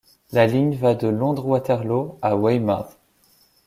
La ligne va de Londres-Waterloo à Weymouth.